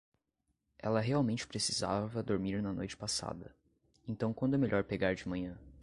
Ela realmente precisava dormir na noite passada, então quando é melhor pegar de manhã?